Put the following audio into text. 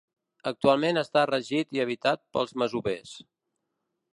Actualment està regit i habitat pels masovers.